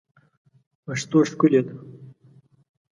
پښتو ښکلې ده